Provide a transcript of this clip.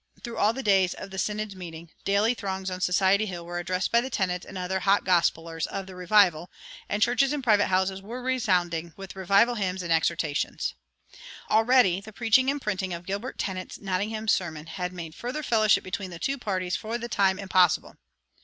Through all the days of the synod's meeting, daily throngs on Society Hill were addressed by the Tennents and other "hot gospelers" of the revival, and churches and private houses were resounding with revival hymns and exhortations. Already the preaching and printing of Gilbert Tennent's "Nottingham Sermon" had made further fellowship between the two parties for the time impossible.